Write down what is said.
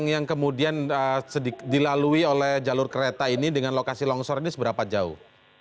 yang kemudian dilalui oleh jalur kereta ini dengan lokasi longsor ini seberapa jauh